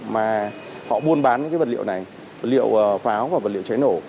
và họ buôn bán những vật liệu này vật liệu pháo và vật liệu cháy nổ